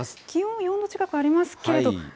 気温、４度近くありますけれども。